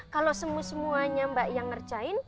kalau semuanya mbak yang ngerjain